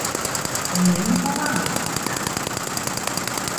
Минең тамағым ауырта